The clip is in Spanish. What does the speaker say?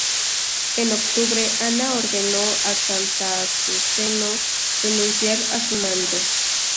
En octubre, Ana ordenó a Cantacuceno renunciar a su mando.